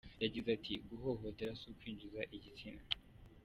Yagize ati: "Guhohotera si kwinjiza igitsina.